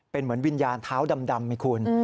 เป็นเหมือนวิญญาณเท้าดำไหมคุณ